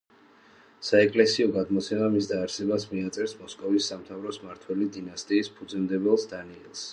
საეკლესიო გადმოცემა მის დაარსებას მიაწერს მოსკოვის სამთავროს მმართველი დინასტიის ფუძემდებელს დანიელს.